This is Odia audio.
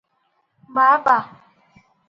ବାହାବା!